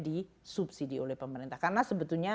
disubsidi oleh pemerintah karena sebetulnya